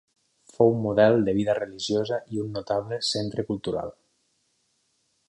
Fou un model de vida religiosa i un notable centre cultural.